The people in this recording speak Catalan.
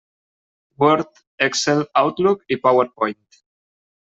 Word, Excel, Outlook i PowerPoint.